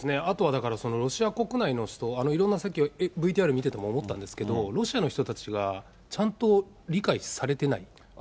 あとはだから、ロシア国内の人、いろんなさっきＶＴＲ見てても思ったんですけど、ロシアの人たちが、ちゃんと理解されてない。